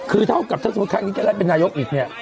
คือเท่ากับถ้าสมมุติครั้งนี้จะได้เป็นนายกอีกเนี่ย